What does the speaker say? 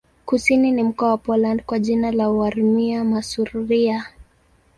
Kusini ni mkoa wa Poland kwa jina la Warmia-Masuria.